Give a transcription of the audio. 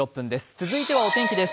続いてはお天気です。